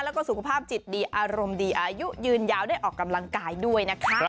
แล้วก็สุขภาพจิตดีอารมณ์ดีอายุยืนยาวได้ออกกำลังกายด้วยนะคะ